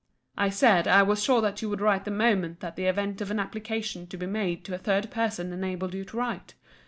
I said, I was sure that you would write the moment that the event of an application to be made to a third person enabled you to write.